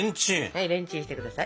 はいレンチンして下さい。